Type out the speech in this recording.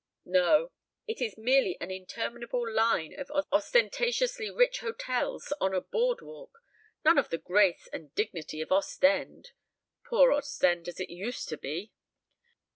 "No. It is merely an interminable line of ostentatiously rich hotels on a board walk! None of the grace and dignity of Ostend poor Ostend as it used to be.